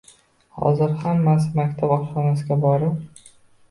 Hozir hammasi maktab oshxonasiga borib